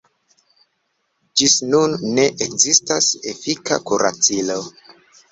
Ĝis nun ne ekzistas efika kuracilo.